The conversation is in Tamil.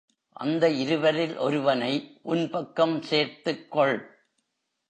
அந்த இருவரில் ஒருவனை உன்பக்கம் சேர்த்துக் கொள்.